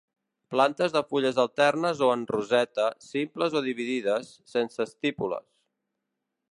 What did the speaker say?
Plantes de fulles alternes o en roseta, simples o dividides, sense estípules